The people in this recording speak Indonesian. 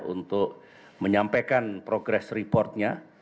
untuk menyampaikan progress report nya